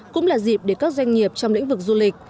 cũng là dịp để các doanh nghiệp trong lĩnh vực du lịch